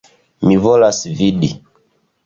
Mi volas vidi.